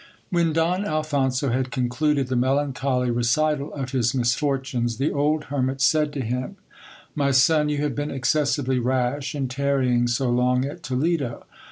When Don Alphonso had concluded the melancholy recital of his misfortunes, the old hermit said to him — My son, you have been excessively rash in tarrying so long at Toledo.